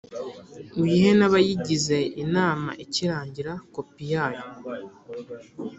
Uyihe n’abayigize inama ikirangira kopi yayo